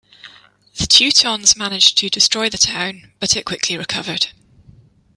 The Teutons managed to destroy the town, but it quickly recovered.